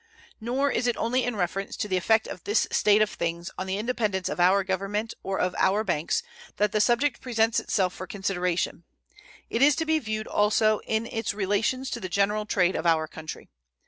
Nor is it only in reference to the effect of this state of things on the independence of our Government or of our banks that the subject presents itself for consideration; it is to be viewed also in its relations to the general trade of our country.